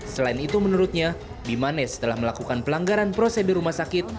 selain itu menurutnya bimanes telah melakukan pelanggaran prosedur rumah sakit